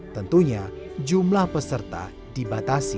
tentunya jumlah peserta dibatasi